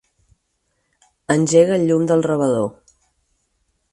Engega el llum del rebedor.